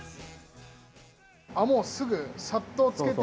もうすぐさっと漬けて？